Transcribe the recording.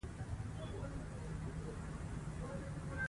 خپل مسوولیت په ښه توګه ادا کړئ.